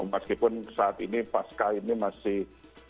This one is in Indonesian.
meskipun saat ini pasca ini masih